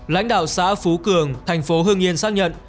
lãnh đạo xã phú cường thành phố hương yên xác nhận